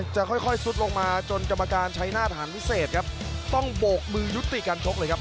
จะค่อยซุดลงมาจนกรรมการใช้หน้าฐานพิเศษครับต้องโบกมือยุติการชกเลยครับ